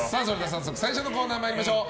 早速最初のコーナー参りましょう。